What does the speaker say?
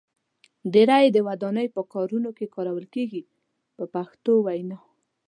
ډیری یې د ودانۍ په کارونو کې کارول کېږي په پښتو وینا.